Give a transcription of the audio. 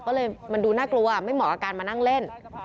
ก็เลยมันดูน่ากลัวไม่เหมาะกับการมานั่งเล่น